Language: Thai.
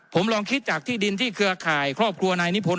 ผมลองคิดจากที่ดินที่เครือข่ายครอบครัวนายนิพนธ